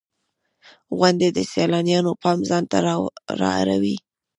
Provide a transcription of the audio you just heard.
• غونډۍ د سیلانیانو پام ځان ته را اړوي.